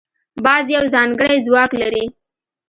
باز یو ځانګړی ځواک لري